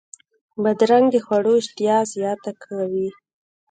بادرنګ د خوړو اشتها زیاته کوي.